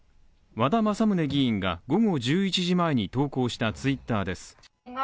和田政宗議員が午後１１時前に投稿したＴｗｉｔｔｅｒです。